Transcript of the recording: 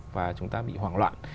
và chúng ta bị hoảng loạn